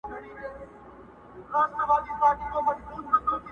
پټول به یې د ونو شاته غاړه٫